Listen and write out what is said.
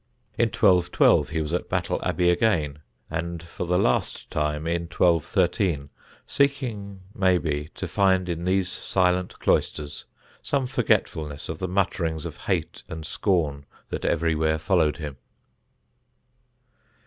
In 1212, he was at Battle Abbey again, and for the last time in 1213, seeking, maybe, to find in these silent cloisters some forgetfulness of the mutterings of hate and scorn that everywhere followed him.